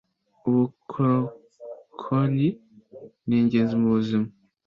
ubukorikori ningenzi mubuzima.